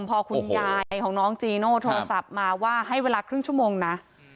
พอคุณยายของน้องจีโน่ทองสับมาว่า